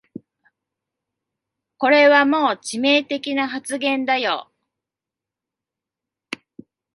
これはもう致命的な発言だよ